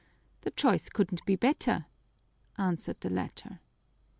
"The choice couldn't be better," answered the latter.